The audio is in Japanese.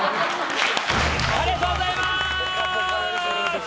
ありがとうございます！